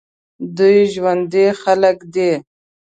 دوی ژوندي خلک دي.